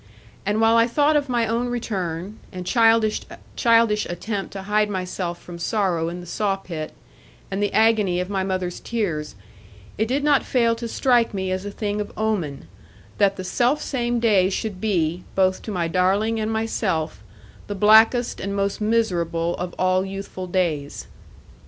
And while I thought of my own return, and childish attempt to hide myself from sorrow in the sawpit, and the agony of my mother's tears, it did not fail to strike me as a thing of omen, that the selfsame day should be, both to my darling and myself, the blackest and most miserable of all youthful days.